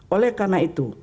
oleh karena itu